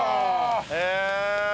へえ！